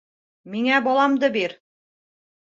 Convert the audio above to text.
- Миңә баламды бир!